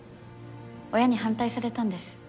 親に反対されたんです。